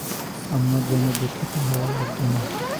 আমার জন্য দুঃখিত হওয়া লাগবে না।